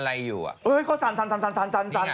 ไม่รู้ก็มีบอะไรอยู่อ่ะ